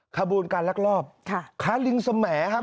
ขบูรณ์การรักรอบค่ะค้าลิงแสมแหมครับ